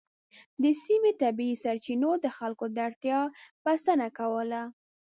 د سیمې طبیعي سرچینو د خلکو د اړتیا بسنه کوله.